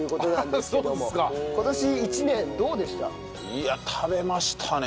いや食べましたね！